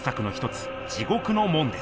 「地獄の門」です。